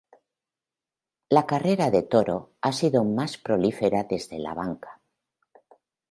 La carrera de Toro ha sido más prolífica desde la banca.